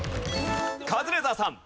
カズレーザーさん。